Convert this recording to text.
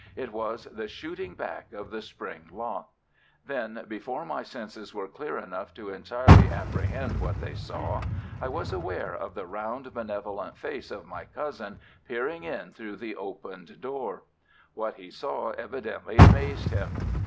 It was the shooting back of the spring lock. Then, before my senses were clear enough to entirely apprehend what they saw, I was aware of the round, benevolent face of my cousin peering in through the opened door. What he saw evidently amazed him.